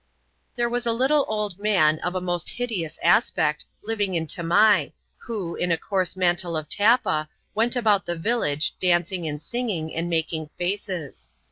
These was a little old man, of a most hideous aspect, li^og in Tamai, who, in a coarse mantle of tappa, went aboat tlie village, dancing, and singing, and making faces.